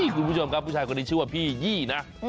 คุณผู้ชมครับผู้ชายคนนี้ชื่อว่าพี่ยี่นะ